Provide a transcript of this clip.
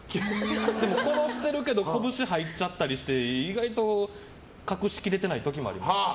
でも、殺してるけどこぶし入っちゃったりして意外と隠しきれてない時もあります。